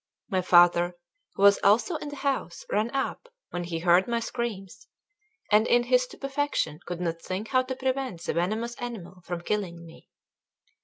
My father, who was also in the house, ran up when he heard my screams, and in his stupefaction could not think how to prevent the venomous animal from killing me.